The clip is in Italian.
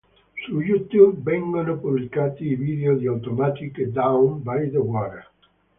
Su YouTube vengono pubblicati i video di Automatic e Down By The Water.